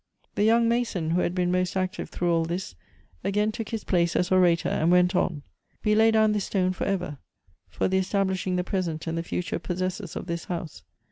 The young mason who had been most active through all this, again took his place as orator, and went on, ." We lay down this stone for ever, for the establishing the present and the future possessore of this house.